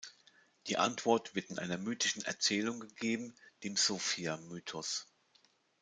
Die Antwort wird in einer mythischen Erzählung gegeben, dem Sophia-Mythos.